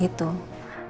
ibu sudah mencari anak